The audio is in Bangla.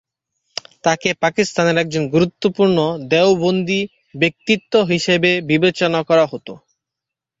তাকে পাকিস্তানের একজন গুরুত্বপূর্ণ দেওবন্দি ব্যক্তিত্ব হিসেবে বিবেচনা করা হত।